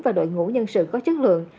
và đội ngũ nhân sự có chất lượng